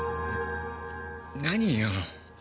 何よ？